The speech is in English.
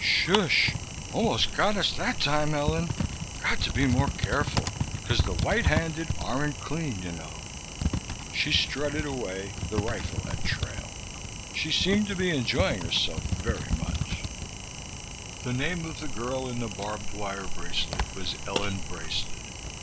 Shoosh! Almost got us that time, Ellen. Got to be more careful, cause the white handed aren't clean, you know." She strutted away, the rifle at trail. She seemed to be enjoying herself very much. The name of the girl in the barbed wire bracelet was Ellen Braisted.